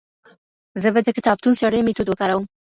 زه به د کتابتون څېړنې ميتود وکاروم.